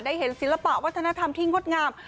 เห็นศิลปะวัฒนธรรมที่งดงาม